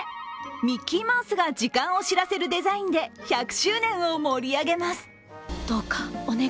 ミッキーマウスが時間を知らせるデザインで１００周年を盛り上げます。